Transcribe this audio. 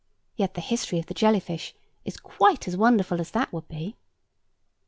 Yet the history of the jelly fish is quite as wonderful as that would be."